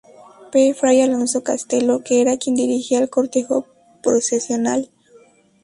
P. Fray Alfonso Castelo, que era quien dirigía el cortejo procesional.